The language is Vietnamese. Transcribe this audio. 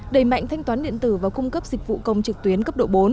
đẩy mạnh thanh toán điện tử và cung cấp dịch vụ công trực tuyến cấp độ bốn